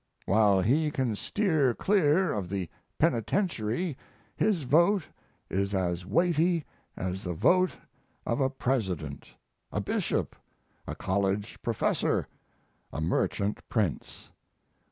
While he can steer clear of the penitentiary his vote is as weighty as the vote of a president, a bishop, a college professor, a merchant prince.